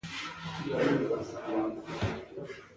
پښتو ژبه د پښتنو د موروثي کلتور یوه برخه ده.